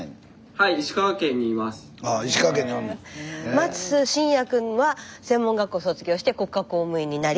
松伸哉くんは専門学校卒業して国家公務員になり。